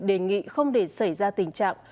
đề nghị không để xảy ra tình trạng